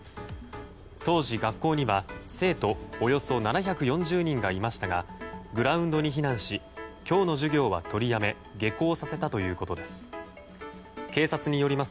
当時、学校には生徒およそ７４０人がいましたがグラウンドに避難し今日の授業は取りやめ下校させたということです。